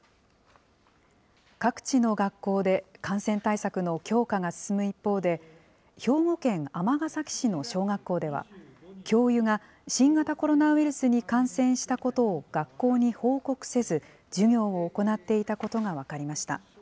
各地の学校で、感染対策の強化が進む一方で、兵庫県尼崎市の小学校では、教諭が新型コロナウイルスに感染したことを学校に報告せず、授業を行っていたことが分かりました。